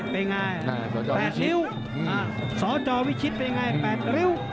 เป็นไง๘ริ้วสจวิชิตเป็นยังไง๘ริ้ว